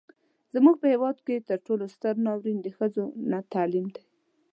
زموږ په هیواد کې تر ټولو ستر ناورين د ښځو نه تعليم دی.